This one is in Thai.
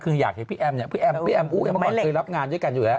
คืออยากเห็นพี่แอมเนี่ยพี่แอมพี่แอมอู้เมื่อก่อนเคยรับงานด้วยกันอยู่แล้ว